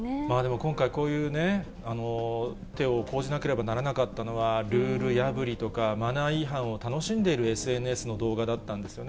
今回、こういう手を講じなければならなかったのは、ルール破りとか、マナー違反を楽しんでいるＳＮＳの動画だったんですね。